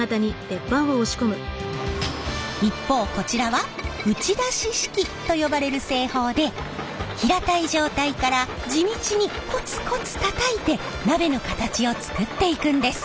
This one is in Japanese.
一方こちらは打ち出し式と呼ばれる製法で平たい状態から地道にこつこつたたいて鍋の形を作っていくんです。